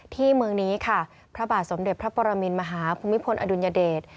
ที่เมืองนี้ค่ะพระบาทสมเด็จพระปรมินมหาภูมิพลอดุลยเดช